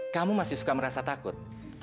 kamu masih suka merasa takut